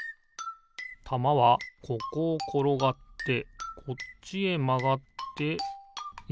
たまはここをころがってこっちへまがってえ？